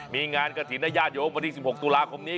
มีงานกับศรีนญาติโยควันที่๑๖ตุลาคมนี้